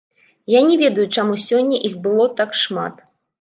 Я не ведаю, чаму сёння іх было так шмат.